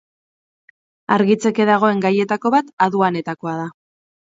Argitzeke dagoen gaietako bat aduanetakoa da.